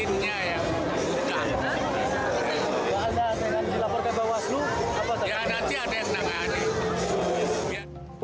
ya nanti ada yang nangani